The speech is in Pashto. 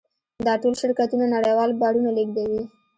دا ټول شرکتونه نړیوال بارونه لېږدوي.